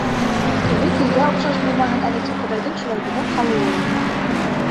Көнө көнгә оҡшаш булмаһын әле тип Хоҙайҙың шулай «биҙәк» һалыуылыр.